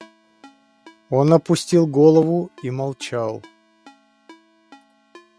Он опустил голову и молчал.